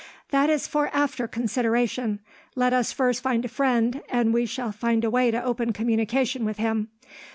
"That is for after consideration. Let us first find a friend, and we shall find a way to open communication with him.